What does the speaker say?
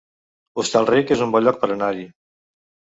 Hostalric es un bon lloc per anar-hi